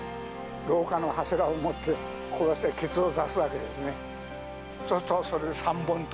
廊下の柱を持って、こうしてけつを出すわけですね。